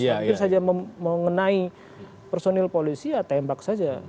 terus nanti saja mengenai personil polisi ya tembak saja